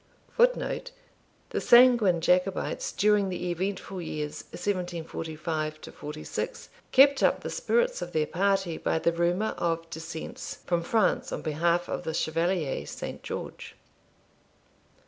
[Footnote: The sanguine Jacobites, during the eventful years 1745 46, kept up the spirits of their party by the rumour of descents from France on behalf of the Chevalier St. George.